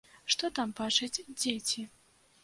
Што там бачаць дзеці?